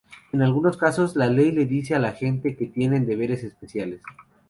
En algunos casos, la ley le dice a la gente que tienen deberes especiales.